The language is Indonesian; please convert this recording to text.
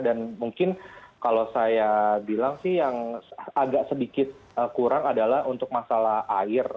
dan mungkin kalau saya bilang sih yang agak sedikit kurang adalah untuk masalah air